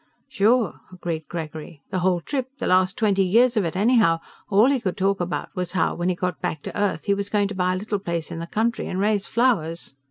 "Sure," agreed Gregory, "the whole trip the last twenty years of it, anyhow all he could talk about was how, when he got back to Earth, he was going to buy a little place in the country and raise flowers."